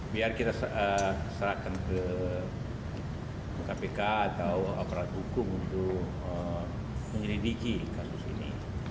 biar kita serahkan ke kpk atau aparat hukum untuk menyelidiki kasus ini